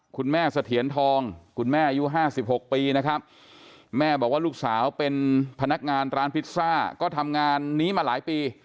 เสถียรทองคุณแม่อายุ๕๖ปีนะครับแม่บอกว่าลูกสาวเป็นพนักงานร้านพิซซ่าก็ทำงานนี้มาหลายปี